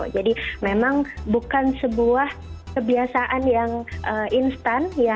jadi memang bukan sebuah kebiasaan yang instan